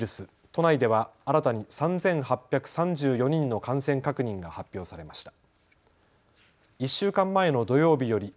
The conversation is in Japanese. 都内では新たに３８３４人の感染確認が発表されました。